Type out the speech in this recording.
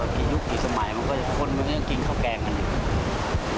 กี่ยุคกี่สมัยคนก็ยังกินข้าวแกงกันอยู่